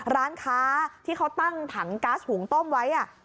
ร้านค้าที่เขาตั้งถังก๊าซหุงต้มไว้